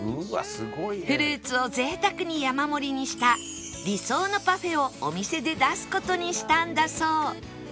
フルーツを贅沢に山盛りにした理想のパフェをお店で出す事にしたんだそう